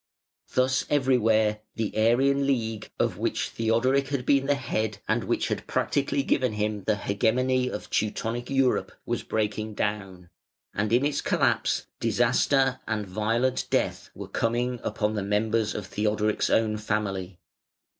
Thus everywhere the Arian League, of which Theodoric had been the head, and which had practically given him the hegemony of Teutonic Europe, was breaking down; and in its collapse disaster and violent death were coming upon the members of Theodoric's own family.